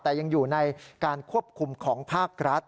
แต่ยังอยู่ในการควบคุมของภาครัฐ